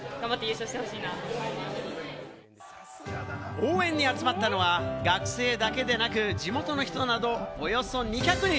応援に集まったのは学生だけでなく、地元の人など、およそ２００人。